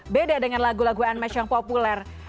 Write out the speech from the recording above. beda dengan lagu lagu nmeth yang populer